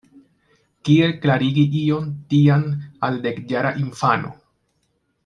Kiel klarigi ion tian al dekjara infano?